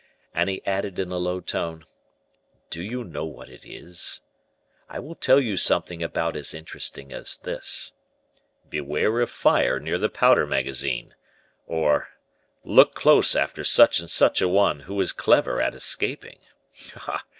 And he added in a low tone, "Do you know what it is? I will tell you something about as interesting as this. 'Beware of fire near the powder magazine;' or, 'Look close after such and such a one, who is clever at escaping,' Ah!